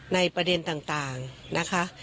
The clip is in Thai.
ในประเด็นต่างนะคะ